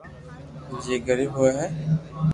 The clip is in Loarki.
جي غريب ھوئي ھي